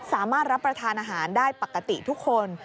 รับประทานอาหารได้ปกติทุกคน